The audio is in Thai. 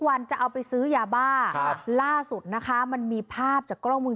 วันจะเอาไปซื้อยาบ้าครับล่าสุดนะคะมันมีภาพจากกล้องมือ